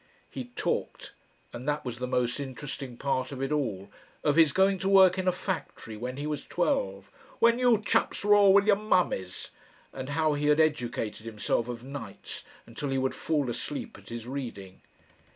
He talked, and that was the most interesting part of it all, of his going to work in a factory when he was twelve "when you Chaps were all with your mammies " and how he had educated himself of nights until he would fall asleep at his reading.